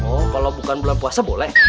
oh kalau bukan bulan puasa boleh